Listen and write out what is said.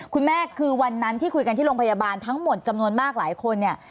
คุณแม่คือวันนั้นที่คุยกันที่โรงพยาบาลทั้งหมดจำนวนมากหลายคนเนี่ย